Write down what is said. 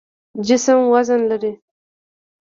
جسم وزن لري.